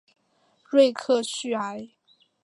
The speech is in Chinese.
瑞克叙埃。